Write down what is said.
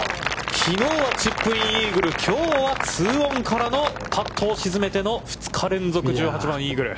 きのうはチップインイーグル、きょうはツーオンからのパットを沈めての２日連続１８番イーグル。